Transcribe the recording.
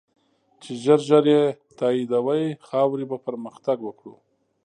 چی ژر ژر یی تایدوی ، خاوری به پرمختګ وکړو